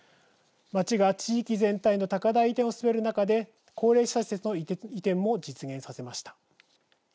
町が地域全体の高台移転を進める中で高齢者施設の移転も実現させました。